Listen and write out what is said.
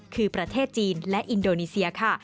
คือประเทศจีนและอินโดนีเซียค่ะ